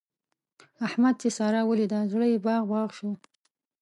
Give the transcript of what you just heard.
احمد چې سارا وليده؛ زړه يې باغ باغ شو.